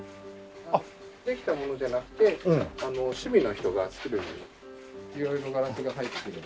できたものじゃなくて趣味の人が作る色々ガラスが入ってる。